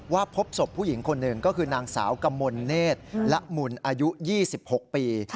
พบศพผู้หญิงคนหนึ่งก็คือนางสาวกมลเนธละหมุนอายุ๒๖ปี